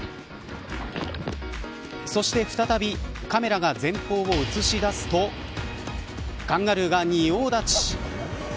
そして再びカメラが前方を映し出すとカンガルーが仁王立ち。